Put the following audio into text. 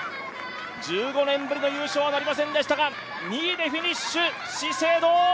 １５年ぶりの優勝はなりませんでしたが、２位でフィニッシュ、資生堂。